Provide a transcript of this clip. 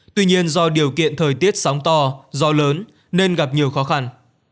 tuy nhiên do điều kiện thời tiết sóng to gió lớn nên gặp nhiều khó khăn